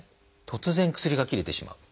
突然薬が切れてしまう。